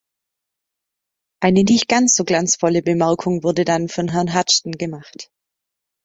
Eine nicht ganz so glanzvolle Bemerkung wurde dann von Herrn Hudghton gemacht.